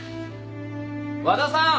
和田さん。